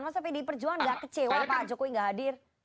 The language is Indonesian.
masa pdi perjuangan nggak kecewa pak jokowi nggak hadir